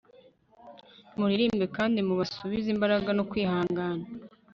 Muririmbe kandi mubasubize imbaraga no kwihangana